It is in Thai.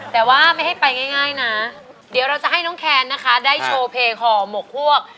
แต่ว่าไม่ให้ไปง่ายนะเดี๋ยวเราจะให้น้องแคนนะคะได้โชว์เพลงห่อหมกพวก